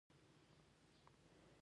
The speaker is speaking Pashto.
سور ږیریه دلته څۀ کوې؟